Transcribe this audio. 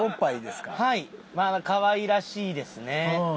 かわいらしいですね。